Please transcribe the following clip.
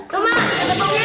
tuh mah kek debongnya